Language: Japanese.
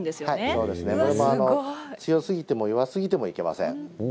そうですね、これも強すぎても弱すぎてもいけません。